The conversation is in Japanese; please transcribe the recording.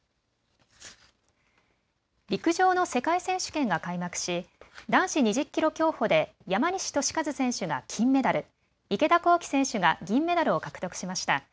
陸上の世界選手権が開幕し男子２０キロ競歩で山西利和選手が金メダル、池田向希選手が銀メダルを獲得しました。